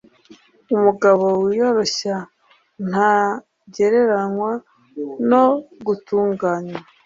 Umugabo wiyoroshya ntagereranywa no gutunganywa